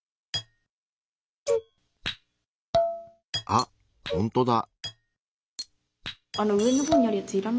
あっほんとだ。